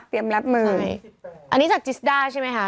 เตรียมรับมือใช่อันนี้จากจิสดาใช่ไหมฮะ